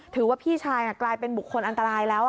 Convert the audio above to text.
พี่ชายกลายเป็นบุคคลอันตรายแล้ว